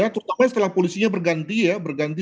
terutama setelah polisinya berganti